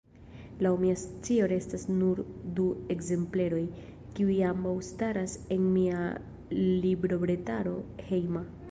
Laŭ mia scio restas nur du ekzempleroj, kiuj ambaŭ staras en mia librobretaro hejma.